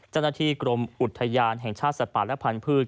จนที่กรมอุทยานแห่งชาติสัตว์ป่าและพันธุ์พืช